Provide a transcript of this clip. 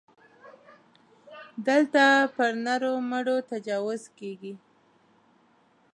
دلته پر نرو مړو تجاوز کېږي.